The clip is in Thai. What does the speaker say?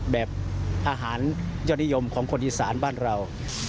แบบอาหารยอดนิยมของคนอีสานบ้านเรา